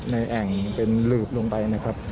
แอ่งเป็นหลืบลงไปนะครับ